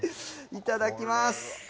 いただきます。